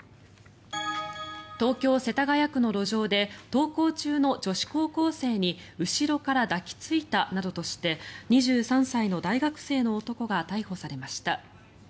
東京・世田谷区の路上で登校中の女子高校生に後ろから抱き着いたなどとして２３歳の大学生の男が逮捕されました。